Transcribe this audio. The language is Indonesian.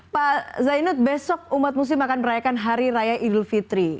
pak zainud besok umat muslim akan merayakan hari raya idul fitri